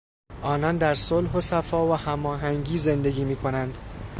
آنان در صلح و صفا و هماهنگی زندگی میکنند.